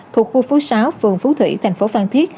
thuộc khu phố sáu phường phú thủy thành phố phan thiết